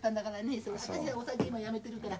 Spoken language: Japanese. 今やめてるから。